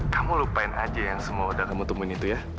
kamu lupain aja yang semua udah kamu temuin itu ya